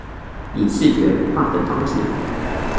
以視覺化的方式